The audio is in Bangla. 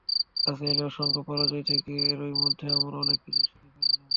কাছে এলে অসংখ্য পরাজয় থেকে এরই মধ্যে আমরা অনেক কিছু শিখে ফেললাম।